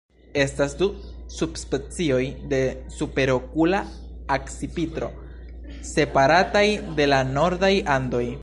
Estas du subspecioj de Superokula akcipitro, separataj de la nordaj Andoj.